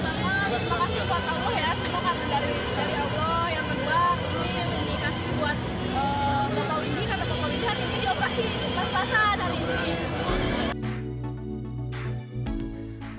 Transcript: ini dikasih buat bapak windy bapak komunis ini dioperasi pas pasan